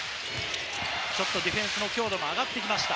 ディフェンスの強度も上がってきました